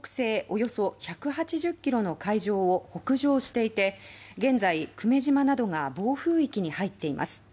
およそ１８０ｋｍの海上を北上していて現在、久米島などが暴風域に入っています。